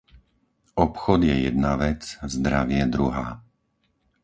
Obchod je jedna vec, zdravie druhá.